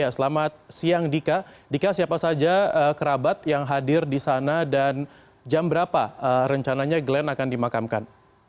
selamat siang dika dika siapa saja kerabat yang hadir di sana dan jam berapa rencananya glenn akan dimakamkan